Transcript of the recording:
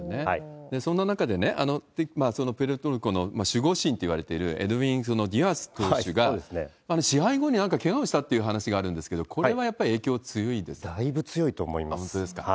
そんな中でね、プエルトリコの守護神といわれているエドウィン・ディアス投手が、試合後にけがをしたという話があるんですけど、だいぶ強いと思います。